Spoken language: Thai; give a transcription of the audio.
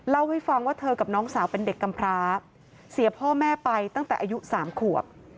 เล่าให้ฟังว่าเธอกับน้องสาวเป็นเด็กกำพร้าเสียพ่อแม่ไปตั้งแต่อายุ๓ขวบ